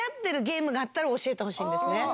教えてほしいんですね。